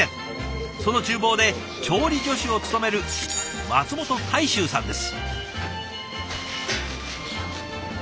その厨房で調理助手を務める松本大周さんです。